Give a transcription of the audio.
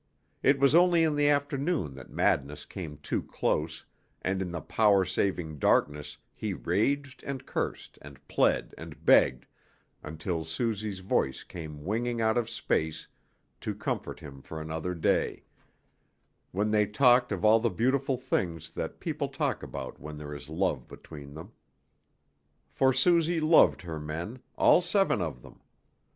It was only in the afternoon that madness came too close, and in the power saving darkness he raged and cursed and pled and begged, until Suzy's voice came winging out of space to comfort him for another day, when they talked of all the beautiful things that people talk about when there is love between them. For Suzy loved her men, all seven of them.